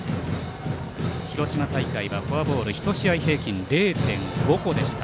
広島大会はフォアボール１試合平均０．５個でした。